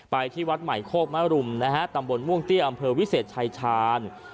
ที่วัดใหม่โคกมรุมนะฮะตำบลม่วงเตี้ยอำเภอวิเศษชายชาญ